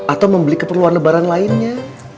atau membeli keperluan lebaran lainnya